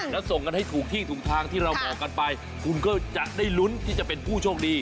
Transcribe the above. แล้วส่งกันให้ถูกที่ถูกทางที่เราบอกกันไปคุณก็จะได้ลุ้นที่จะเป็นผู้โชคดี